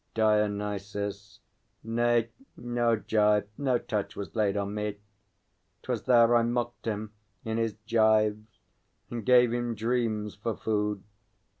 DIONYSUS. Nay, no gyve, no touch, was laid on me! 'Twas there I mocked him, in his gyves, and gave him dreams for food.